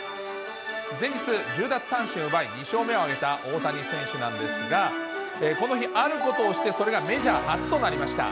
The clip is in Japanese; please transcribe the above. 前日、１０奪三振を奪い、２勝目を挙げた大谷選手なんですが、この日、あることをしてそれがメジャー初となりました。